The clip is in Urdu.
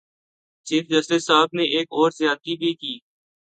چیف جسٹس صاحب نے ایک اور زیادتی بھی کی۔